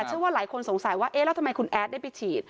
เชื่อว่าหลายคนสงสัยว่าเอ๊ะแล้วทำไมคุณแอดได้ไปฉีด